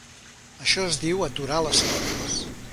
Això es diu "aturar" les cordes.